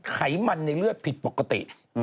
ไขมันในเลือดผิดปกติ